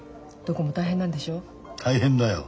大変だよ。